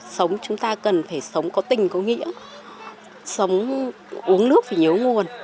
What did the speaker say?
sống chúng ta cần phải sống có tình có nghĩa sống uống nước phải nhớ nguồn